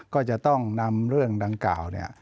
ก็จะต้องนำเรื่องดังกล่าวเนี่ย